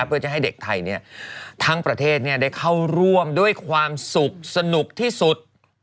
เพื่อจะให้เด็กไทยทั้งประเทศได้เข้าร่วมด้วยความสุขสนุกที่สุด